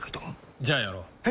じゃあやろう。え？